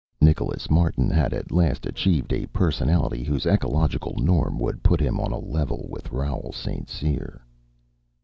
Nicholas Martin had at last achieved a personality whose ecological norm would put him on a level with Raoul St. Cyr.